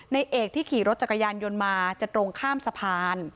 ในเอกที่ขี่รถจักรยานยนต์มาจะตรงข้ามสะพาน